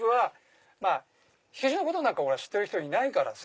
火消しのことなんか知ってる人いないからさ。